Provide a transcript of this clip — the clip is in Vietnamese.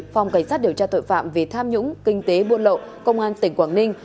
phòng cảnh sát điều tra tội phạm về tham nhũng kinh tế buôn lậu công an tỉnh quảng ninh